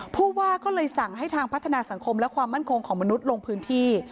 ผู้ว่าก็เลยสั่งให้ทางพัฒนาสังคมและความมั่นคงของมนุษย์ลงพื้นที่